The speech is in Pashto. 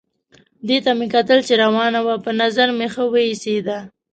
دې ته مې کتل چې روانه وه، په نظر مې ښه وه ایسېده.